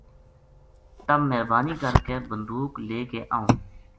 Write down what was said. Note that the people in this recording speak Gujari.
تم مہربانی کر کے بندوق لے کے آؤں